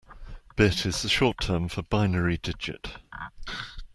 Bit is the short term for binary digit.